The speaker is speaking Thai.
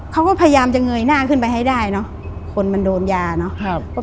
เขาก็พยายามจะเงยหน้าขึ้นไปให้ได้เนอะคนมันโดนยาเนาะ